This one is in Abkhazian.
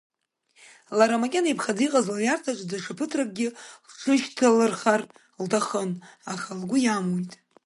Лара макьана иԥхаӡа иҟаз лиарҭаҿ даҽа ԥыҭракгьы лҽышьҭалырхар лҭахын, аха лгәы иамуит.